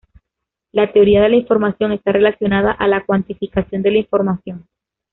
La teoría de la información está relacionada a la cuantificación de la información.